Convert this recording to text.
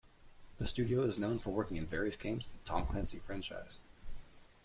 The studio is known for working in various games in the "Tom Clancy" franchise.